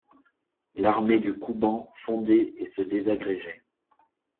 L’armée du Kouban fondait et se désagrégeait.